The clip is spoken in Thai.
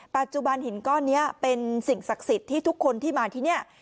ปัจจุบันหินก้อนนี้เป็นสิ่งศักดิ์สิทธิ์ที่ทุกคนที่มาที่นี่